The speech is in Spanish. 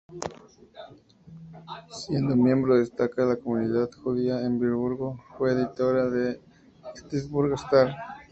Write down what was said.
Siendo miembro destacada de la comunidad judía de Edimburgo fue editora de "Edinburgh Star".